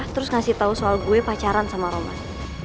terus ngasih tahu soal gue pacaran sama roman